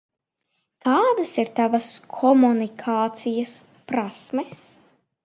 Kādas ir Tavas komunikācijas prasmes?